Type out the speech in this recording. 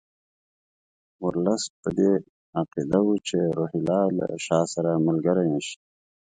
ورلسټ په دې عقیده وو چې روهیله له شاه سره ملګري نه شي.